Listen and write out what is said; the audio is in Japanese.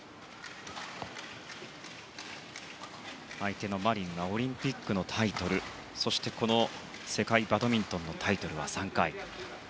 相手のマリンはオリンピックのタイトルそしてこの世界バドミントンのタイトルは３回。